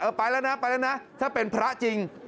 เออไปแล้วนะนะถ้าเป็นพระจริง